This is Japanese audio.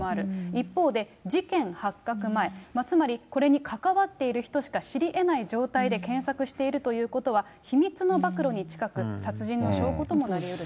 一方で、事件発覚前、つまりこれに関わっている人しか知りえない状態で検索しているということは、秘密の暴露に近く、殺人の証拠ともなりうると。